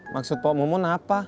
maksud pak mumun apa